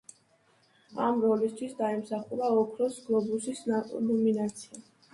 ამ როლისთვის დაიმსახურა ოქროს გლობუსის ნომინაცია.